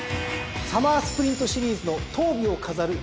サマースプリントシリーズのとう尾を飾るＧⅡ戦です。